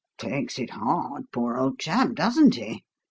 "Takes it hard, poor old chap, doesn't he?"